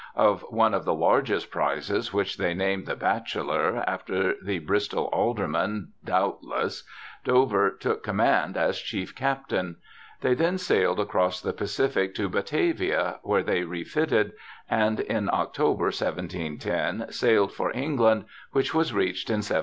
Of one of the largest prizes, which they named the Bachelor, after the Bristol Alderman doubtless, Dover took com mand as chief captain. They then sailed across the Pacific to Batavia, where they refitted, and in October, T710, sailed for England, which was reached in 1711.